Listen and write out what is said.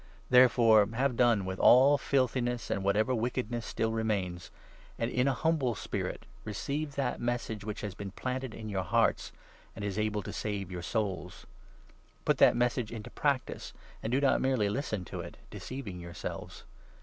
Therefore, have done with all 21 filthiness and whatever wickedness still remains, and in a humble spirit receive that Message which has been planted in your hearts and is able to save your souls. Put that 22 Message into practice, and do not merely listen to it — deceiving yourselves.